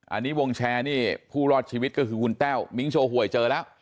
อันนี้วงแชร์นี่ผู้รอดชีวิตก็คือคุณแต้วมิ้งโชว์หวยเจอแล้ว